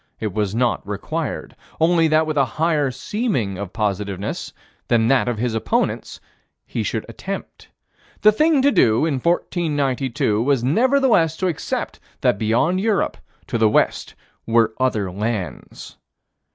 It was not required: only that with a higher seeming of positiveness than that of his opponents, he should attempt. The thing to do, in 1492, was nevertheless to accept that beyond Europe, to the west, were other lands.